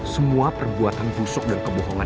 semua perbuatan busuk dan kebohongan